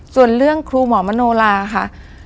ส่วนเรื่องครูหมอมโนลาค่ะ